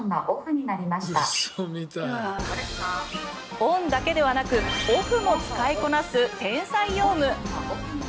オンだけではなくオフも使いこなす天才ヨウム。